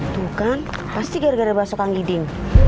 tuh kan pasti gara gara bakso kang giding